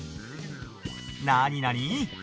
なになに？